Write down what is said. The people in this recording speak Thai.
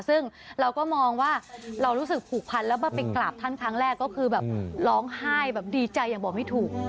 ซึ่งเราก็มองว่าเรารู้สึกผูกพันแล้วมาไปกราบท่านครั้งแรกก็คือแบบร้องไห้แบบดีใจอย่างบอกไม่ถูก